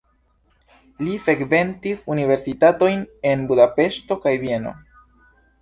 Li frekventis universitatojn en Budapeŝto kaj Vieno.